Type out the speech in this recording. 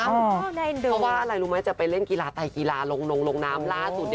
เพราะว่าอะไรรู้ไหมจะไปเล่นกีฬาไตกีฬาลงน้ำล่าสุด